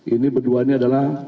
ini berduanya adalah